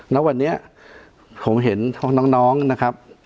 ณวันนี้ผมเห็นน้องนะครับ